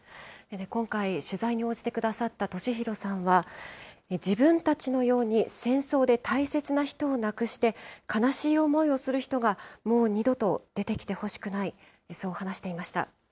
今回、取材に応じてくださった敏弘さんは、自分たちのように、戦争で大切な人を亡くして悲しい思いをする人がもう二度と出てきてほしくない、そう話していました。